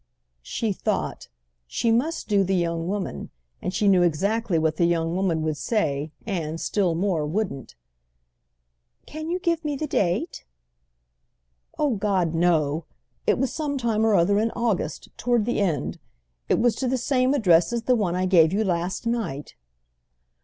She thought; she must do the young woman, and she knew exactly what the young woman would say and, still more, wouldn't. "Can you give me the date?" "Oh God, no! It was some time or other in August—toward the end. It was to the same address as the one I gave you last night."